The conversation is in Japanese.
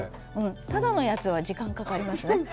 ただのやつは時間がかかりますね。